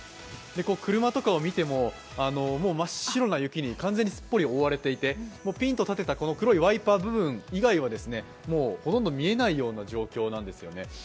車とかを見ても、真っ白な雪に完全にすっぽり覆われていてもうピンと立てた黒いワイパー部分以外はもうほとんど見えないような状況なんですよね。